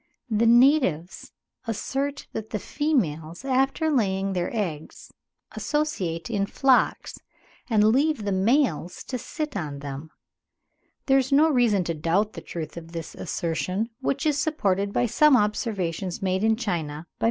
The natives assert that the females after laying their eggs associate in flocks, and leave the males to sit on them. There is no reason to doubt the truth of this assertion, which is supported by some observations made in China by Mr. Swinhoe.